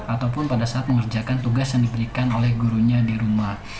ataupun pada saat mengerjakan tugas yang diberikan oleh gurunya di rumah